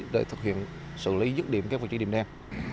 để thực hiện xử lý dứt điểm các vị trí điểm đen